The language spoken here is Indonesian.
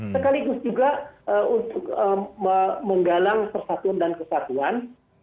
sekaligus juga untuk menggalang persatuan dan kesatuan